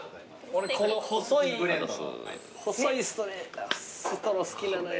俺この細いストロー好きなのよ。